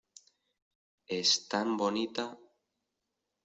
¡ es tan bonita!